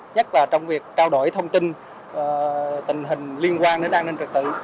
nhất là trong việc trao đổi thông tin tình hình liên quan đến an ninh trật tự